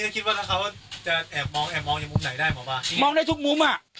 ก็คิดว่าถ้าเขาจะแอบมองแอบมองในมุมไหนได้หมอบ้านมองได้ทุกมุมอ่ะ